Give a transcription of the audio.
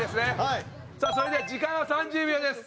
さあそれでは時間は３０秒です。